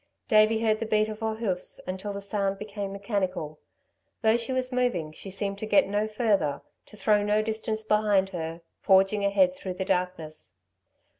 Davey heard the beat of her hoofs until the sound became mechanical. Though she was moving, she seemed to get no further to throw no distance behind her, forging ahead through the darkness.